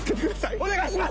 お願いします！